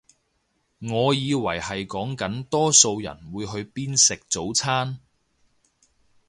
我以為係講緊多數人會去邊食早餐